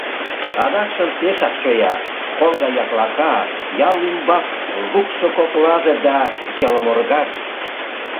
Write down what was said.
Адакшым пешак чоя, кол гай яклака, ял ӱмбак лукшо коклазе да йылморгаж.